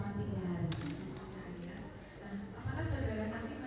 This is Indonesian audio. bu aisyah sudah lama